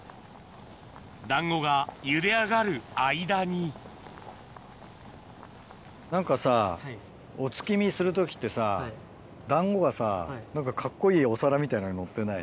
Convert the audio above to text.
団子がゆで上がる間に何かさお月見する時ってさ団子がさ何かカッコいいお皿みたいなのにのってない？